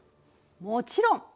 もちろん。